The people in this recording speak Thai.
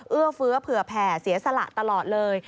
เอื้อเฟื้อเผื่อแผ่เสียสละตลอดเลย